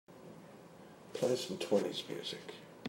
Play some twenties music